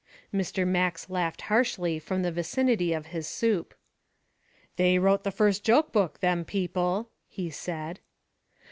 Mr. Max laughed harshly from the vicinity of his soup. "They wrote the first joke book, them people," he said.